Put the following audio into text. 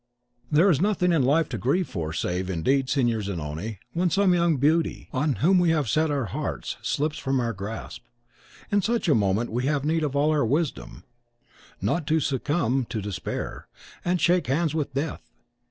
There is nothing in life to grieve for, save, indeed, Signor Zanoni, when some young beauty, on whom we have set our hearts, slips from our grasp. In such a moment we have need of all our wisdom, not to succumb to despair, and shake hands with death.